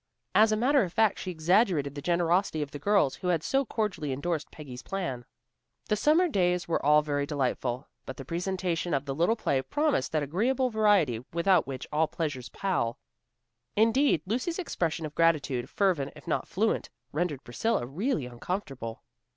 As a matter of fact, she exaggerated the generosity of the girls who had so cordially endorsed Peggy's plan. The summer days were all very delightful, but the presentation of the little play promised that agreeable variety without which all pleasures pall. Indeed, Lucy's expression of gratitude, fervent if not fluent, rendered Priscilla really uncomfortable.